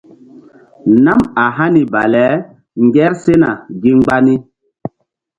Nam a hani bale ŋger sena gi mgba ni.